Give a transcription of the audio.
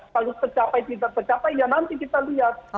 kalau tercapai tidak tercapai ya nanti kita lihat